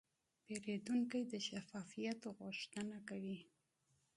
پیرودونکی د شفافیت غوښتنه کوي.